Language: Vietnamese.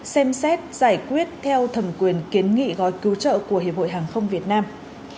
xem xét giải quyết theo thẩm quyền kiến nghị gói cứu trợ của hiệp hội hàng không việt nam